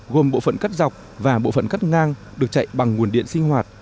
gồm bộ phận cắt dọc và bộ phận cắt ngang được chạy bằng nguồn điện sinh hoạt